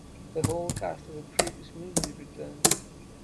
The whole cast of the previous movies returned.